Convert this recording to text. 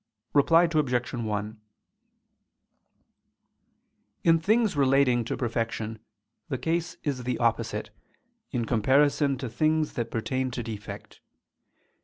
Reply Obj. 1: In things relating to perfection the case is the opposite, in comparison to things that pertain to defect.